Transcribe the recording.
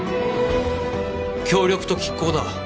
協力と拮抗だ。